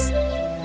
dia akan selamat